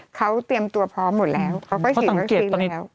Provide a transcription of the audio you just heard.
จำนวนได้ไม่เกิน๕๐๐คนนะคะ